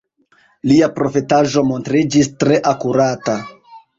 Lia profetaĵo montriĝis tre akurata.